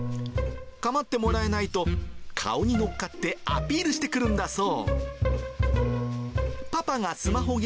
構ってもらえないと、顔に乗っかって、アピールしてくるんだそう。